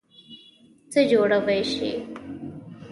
څه جوړوئ شی؟